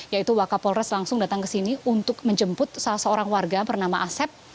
yaitu wakapolres langsung datang ke sini untuk menjemput salah seorang warga bernama asep